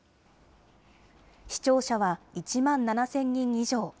視聴者は１万７０００人以上。